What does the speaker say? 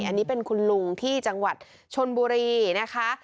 อันนี้เป็นคุณลุงที่จังหวัดชนบุรีนะคะ